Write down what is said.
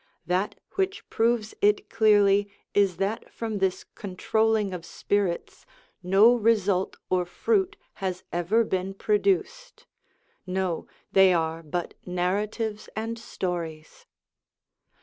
That which proves it clearly is that from this controlling of spirits no result or fruit has ever been produced : no, they are but narratives and stories.